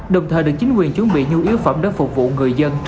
đồng thời được chính quyền chuẩn bị nhu yếu phẩm đất vùng